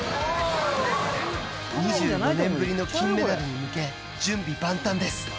２４年ぶりの金メダルに向け準備万端です。